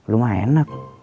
lu mah enak